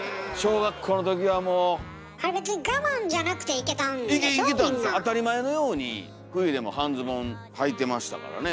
いけたんです当たり前のように冬でも半ズボンはいてましたからね。